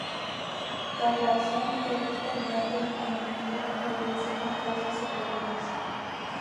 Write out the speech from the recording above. Tras la acción, Prieto temió que el enemigo volviese con fuerzas superiores.